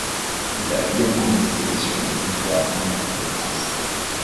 Il a également été sélectionné une fois en équipe de France.